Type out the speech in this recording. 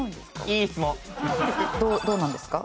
どうなんですか？